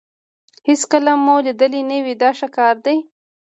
چې هېڅکله مو لیدلی نه وي دا ښه کار دی.